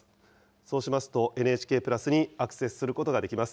そうしますと、ＮＨＫプラスにアクセスすることができます。